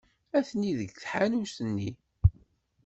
Atni deg tḥanut-nni.